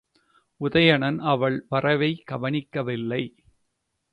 உதயணன் அவள் வரவைக் கவனிக்கவில்லை.